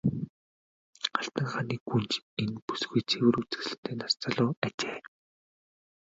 Алтан хааны гүнж энэ бүсгүй цэвэр үзэсгэлэнтэй нас залуу ажээ.